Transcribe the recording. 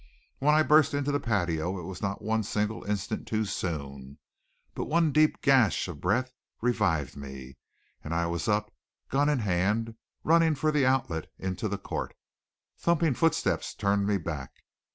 When I burst into the patio it was not one single instant too soon. But one deep gash of breath revived me, and I was up, gun in hand, running for the outlet into the court. Thumping footsteps turned me back.